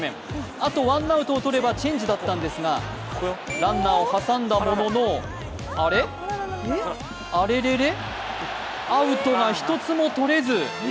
あとワンアウトをとればチェンジだったんですが、ランナーを挟んだもののあれ、あれれれ、アウトが１つもとれず。